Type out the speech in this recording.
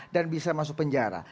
dan bisa masuk penjara